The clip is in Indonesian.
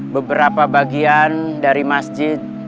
beberapa bagian dari masjid